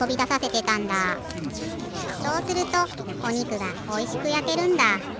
そうするとおにくがおいしくやけるんだ。